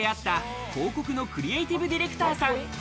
有楽町で出会った広告のクリエイティブディレクターさん。